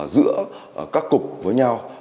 giữa các cục với nhau